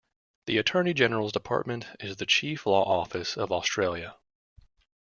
The Attorney-General's Department is the chief law office of Australia.